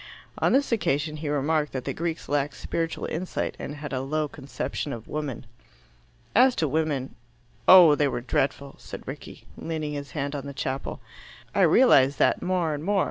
On this occasion he remarked that the Greeks lacked spiritual insight, and had a low conception of woman. "As to women oh! there they were dreadful," said Rickie, leaning his hand on the chapel. "I realize that more and more.